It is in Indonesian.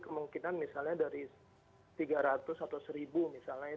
kemungkinan misalnya dari tiga ratus atau seribu misalnya